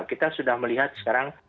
kita sudah melihat sekarang